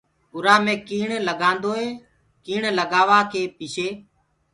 اُرآ مي ڪيڻ لگوآدو ئي ڪيڻ لگوآڪي پڇي